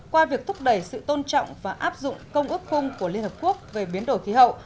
qua việc thúc đẩy sự tôn trọng và áp dụng công ước khung của liên hợp quốc về biến đổi khí hậu